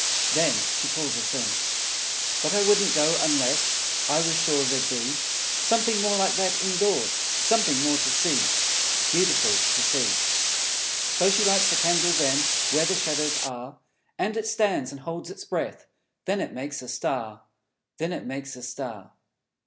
Then She calls us in. But I wouldn't go, unless I were sure there'd be Something more like that, indoors, Something more to see, Beautiful to see. So She lights the candle then, Where the shadows are, And it stands, and holds its breath Then it makes a Star, Then it makes a Star!